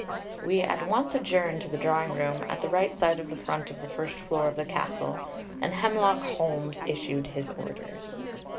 We at once adjourned to the drawing room, at the right side of the front of the first floor of the castle, and Hemlock Holmes issued his orders.